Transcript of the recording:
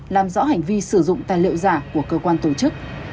làm rõ hành vi sử dụng tài liệu giả của cơ quan tổ chức